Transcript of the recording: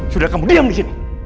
sudah kamu diam disini